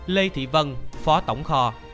lê thị vân phó tổng kho